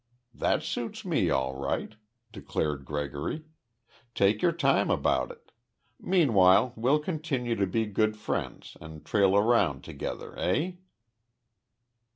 "That suits me all right," declared Gregory. "Take your time about it. Meanwhile we'll continue to be good friends and trail around together, eh?"